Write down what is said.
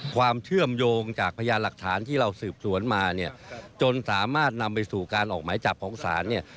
ความเชื่อมโยงจากพยานหลักฐานที่เราสืบสวนมาเนี่ยจนสามารถนำไปสู่การออกหมายจับของศาลเนี่ย